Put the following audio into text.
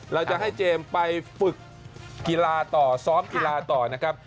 เราจะให้เจมส์ไปฝึกกีฬาต่อซ้อมกีฬาต่อนะครับ